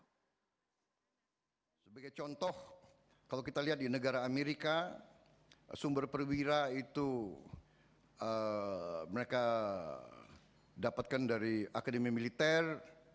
sebagai contoh kalau kita lihat di negara amerika sumber perwira itu mereka dapatkan dari akademi militer